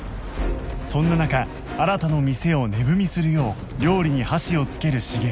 そんな中新の店を値踏みするよう料理に箸をつける茂